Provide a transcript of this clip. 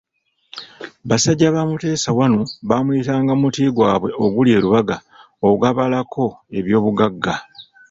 Basajja ba Mutesa I baamuyitanga muti gwabwe oguli e Lubaga ogabalako eby'obugagga.